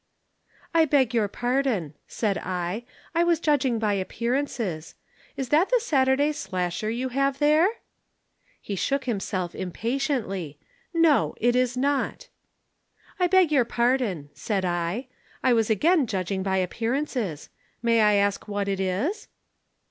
"'I beg your pardon,' said I. 'I was judging by appearances. Is that the Saturday Slasher you have there?' "He shook himself impatiently. 'No, it is not.' "'I beg your pardon,' said I. 'I was again judging by appearances. May I ask what it is?'